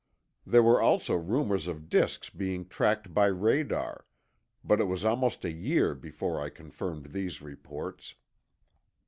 There were also rumors of disks being tracked by radar, but it was almost a year before I confirmed these reports.